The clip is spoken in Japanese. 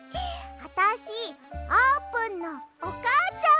あたしあーぷんのおかあちゃん！